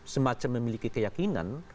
semacam memiliki keyakinan